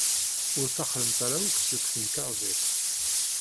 Ur ttaxrent ara akk seg temkarḍit.